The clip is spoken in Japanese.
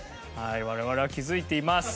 我々は気付いています。